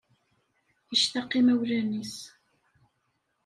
Yectaq imawlan-is.